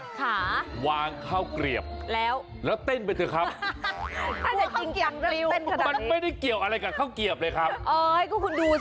ทุกท่าทุกลีระนี่แสดงถึงขั้นตอนการทำข้าวก่วยเปรียบว่าว